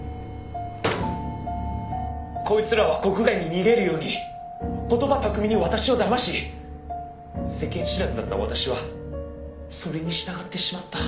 「こいつらは国外に逃げるように言葉巧みに私をだまし世間知らずだった私はそれに従ってしまった」